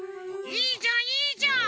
いいじゃんいいじゃん！